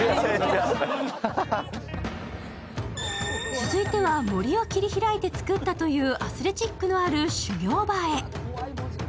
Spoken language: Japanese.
続いては森を切り開いて作ったというアスレチックのある修行場へ。